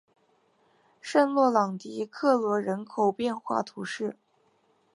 圣洛朗迪克罗人口变化图示